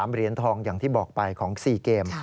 เหรียญทองอย่างที่บอกไปของ๔เกม